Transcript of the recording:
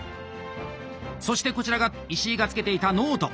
そしてこちらが石井がつけていたノート。